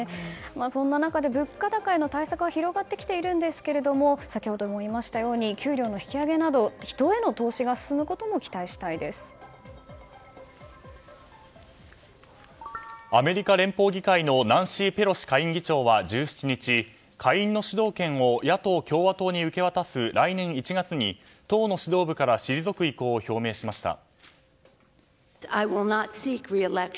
そんな中、物価高への対策は広がってきていますが先ほども言いましたように給料の引き上げなど人への投資が進むこともアメリカ連邦議会のナンシー・ペロシ下院議長は１７日、下院の主導権を野党、共和党に受け渡す来年１月に党の指導部から退く意向を表明しました。